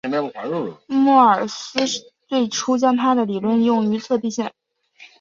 莫尔斯最初将他的理论用于测地线。